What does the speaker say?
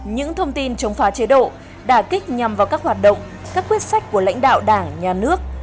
những thông tin chống phá chế độ đà kích nhằm vào các hoạt động các quyết sách của lãnh đạo đảng nhà nước